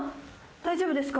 大丈夫ですか？